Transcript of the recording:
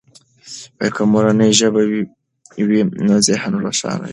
که مورنۍ ژبه وي نو ذهن روښانه وي.